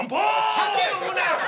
酒飲むなよ！